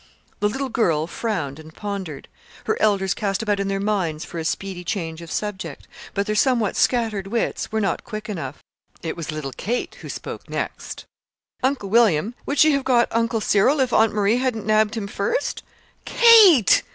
The little girl frowned and pondered. Her elders cast about in their minds for a speedy change of subject; but their somewhat scattered wits were not quick enough. It was little Kate who spoke next. "Uncle William, would she have got Uncle Cyril if Aunt Marie hadn't nabbed him first?" "Kate!"